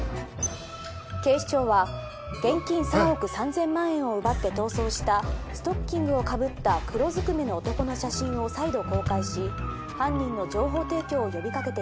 「警視庁は現金３億３０００万円を奪って逃走したストッキングをかぶった黒ずくめの男の写真を再度公開し犯人の情報提供を呼びかけています」